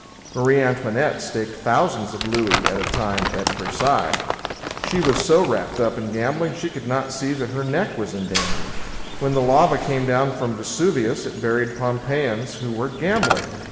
Marie Antoinette staked thousands of louis at a time at Versailles. She was so wrapped up in gambling she could not see that her neck was in danger. When the lava came down from Vesuvius it buried Pompeiians who were gambling.